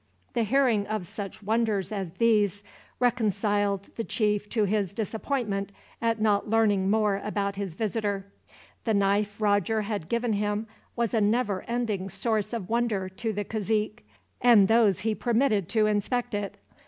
The hearing of such wonders as these reconciled the chief to his disappointment at not learning more about his visitor. The knife Roger had given him was a never ending source of wonder to the cazique, and those whom he permitted to inspect it.